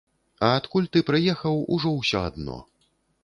А адкуль ты прыехаў, ужо ўсё адно.